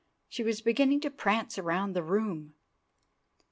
She was beginning to prance around the room.